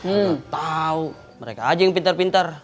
oh tau mereka aja yang pintar pintar